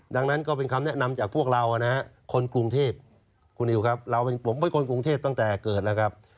ดังนั้นก็เป็นคำแนะนำจากพวกเรานะฮะคนกรุงเทพคุณนิวครับเราผมเป็นคนกรุงเทพตั้งแต่เกิดแล้วครับ